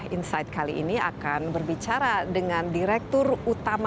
insight kali ini akan berbicara dengan direktur utama